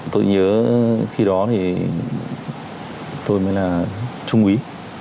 tôi nhớ khi đó thì tôi mới là trung úy